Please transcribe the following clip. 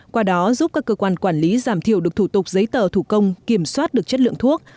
qua đó giúp các cơ quan quản lý giảm thiểu được thủ tục giấy tờ thủ công kiểm soát được chất lượng thuốc